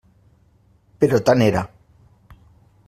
Però tant era.